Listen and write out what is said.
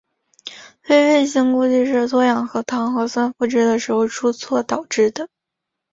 微卫星估计是脱氧核糖核酸复制的时候出错导致的。